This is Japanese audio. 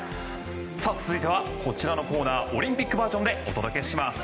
続いてはこちらのコーナーオリンピックバージョンでお届けします。